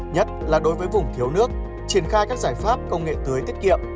nhất là đối với vùng thiếu nước triển khai các giải pháp công nghệ tưới tiết kiệm